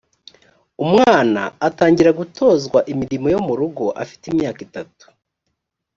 umwana atangira gutozwa imirimo yo mu rugo afite imyaka itatu